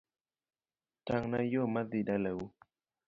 Tang na yoo madhii dalau